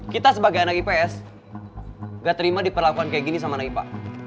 kita sebagai anak ips gak terima diperlakukan kayak gini sama anak ipa